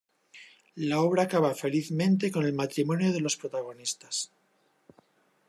La obra acaba felizmente con el matrimonio de los protagonistas.